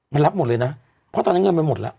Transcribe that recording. มันรับหมดเลยนะเพราะตอนนั้นเงินมันหมดแล้ว